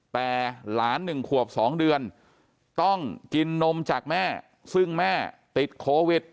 แต่หลาน๑ขวบ๒เดือนต้องกินนมจากแม่ซึ่งแม่ติดโควิด